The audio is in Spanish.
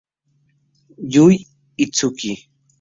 Yui Itsuki